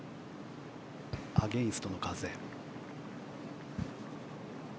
アゲンストの風。